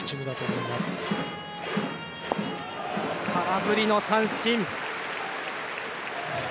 空振り三振。